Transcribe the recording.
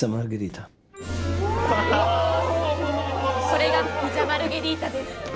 それがピザ・マルゲリータです。